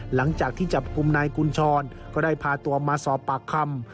หลังจากที่จับกลุ่มนายกุญชรก็ได้พาตัวมาสอบปากคำ